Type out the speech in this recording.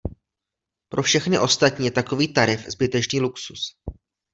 Pro všechny ostatní je takový tarif zbytečný luxus.